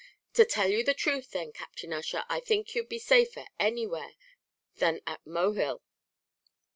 To tell you the truth, then, Captain Ussher, I think you'd be safer anywhere than at Mohill."